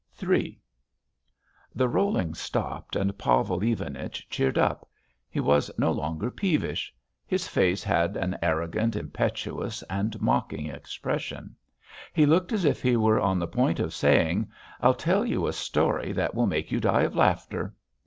III The rolling stopped and Pavel Ivanich cheered up. He was no longer peevish. His face had an arrogant, impetuous, and mocking expression. He looked as if he were on the point of saying: "I'll tell you a story that will make you die of laughter."